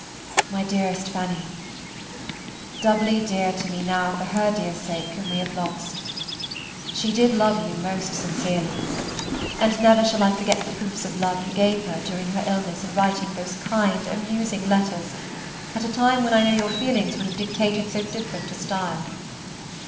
MY DEAREST FANNY, Doubly dear to me now for her dear sake whom we have lost. She did love you most sincerely, and never shall I forget the proofs of love you gave her during her illness in writing those kind, amusing letters at a time when I know your feelings would have dictated so different a style.